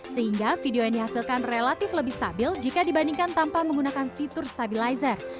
sehingga video yang dihasilkan relatif lebih stabil jika dibandingkan tanpa menggunakan fitur stabilizer